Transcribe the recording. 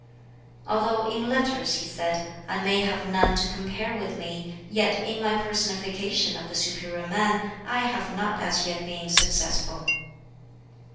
"Although in letters," he said, "I may have none to compare with me, yet in my personification of the 'superior man' I have not as yet been successful."